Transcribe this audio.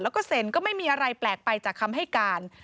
แล้วก็เซ็นก็ไม่มีอะไรแปลกไปจากคำให้การ